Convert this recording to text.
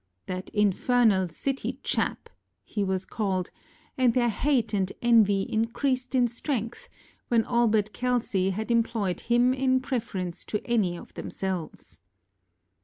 ŌĆ£That infernal city chap, ŌĆØ he was called, and their hate and envy increased in strength when Albert Kelsey had employed him in preference to any of themselves.